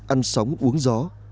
ăn sóng uống gió